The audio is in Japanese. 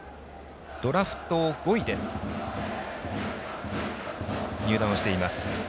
ドラフト５位で入団をしています。